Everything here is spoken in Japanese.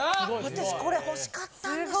私これほしかったんです。